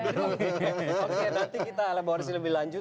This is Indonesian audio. oke nanti kita akan bawa lebih lanjut